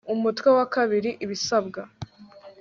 UMUTWE WA II IBISABWA